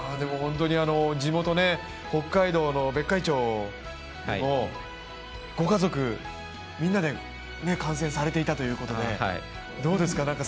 地元・北海道の別海町のご家族、みんなで観戦されていたということでどうですか？